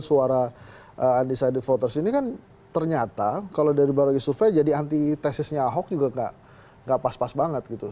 suara undecided voters ini kan ternyata kalau dari berbagai survei jadi antitesisnya ahok juga gak pas pas banget gitu